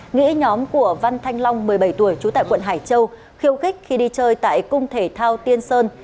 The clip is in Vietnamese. nghĩ nhóm của văn thanh long một mươi bảy tuổi trú tại quận hải châu khiêu khích khi đi chơi tại cung thể thao tiên sơn